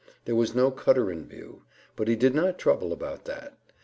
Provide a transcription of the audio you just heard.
There was no cutter in view, but he did not trouble about that.